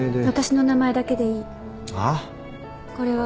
私の名前だけでいい。